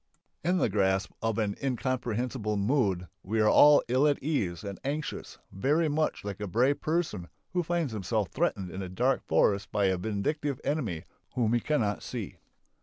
In the grasp of an incomprehensible mood we are ill at ease and anxious, very much like a brave person who finds himself threatened in a dark forest by a vindictive enemy whom he cannot see.